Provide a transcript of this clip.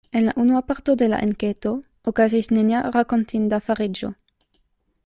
En la unua parto de la enketo okazis nenia rakontinda fariĝo.